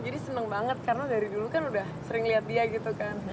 jadi seneng banget karena dari dulu kan udah sering liat dia gitu kan